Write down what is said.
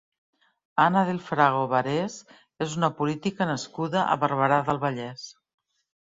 Ana del Frago Barés és una política nascuda a Barberà del Vallès.